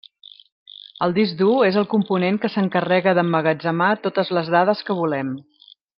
El disc dur és el component que s'encarrega d'emmagatzemar totes les dades que volem.